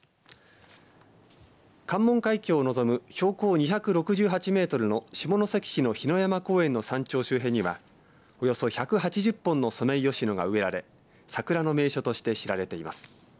関門海峡を望む標高２６８メートルの下関市の火の山公園の山頂周辺にはおよそ１８０本のソメイヨシノが植えられ桜の名所として知られています。